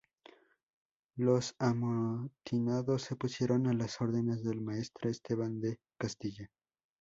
Los amotinados se pusieron a las órdenes del maestre Esteban de Castilla.